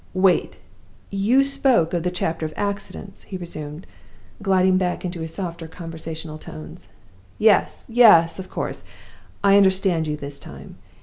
"Wait! you spoke of the chapter of accidents," he resumed, gliding back into his softer conversational tones. "Yes! yes! of course. I understand you this time.